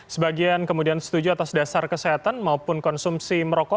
sebagian kemudian setuju atas dasar kesehatan maupun konsumsi merokok